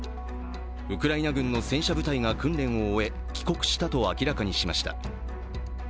ウクライナ軍の戦車部隊が訓練を終え、帰国したと明らかにしました。